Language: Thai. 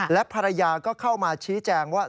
และภรรยาก็เข้ามาชี้แจงว่า